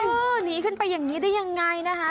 เออหนีขึ้นไปอย่างงี้ได้ยังงายนะคะ